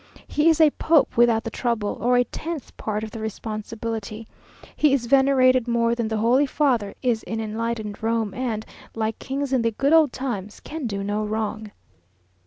He is a pope without the trouble, or a tenth part of the responsibility. He is venerated more than the Holy Father is in enlightened Rome, and, like kings in the good old times, can do no wrong.